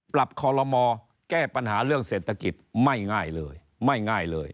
ปรับคอลโมแก้ปัญหาเรื่องเศรษฐกิจไม่ง่ายเลย